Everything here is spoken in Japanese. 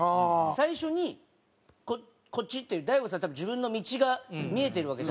最初にこっちっていう大悟さん多分自分の道が見えてるわけじゃないですか。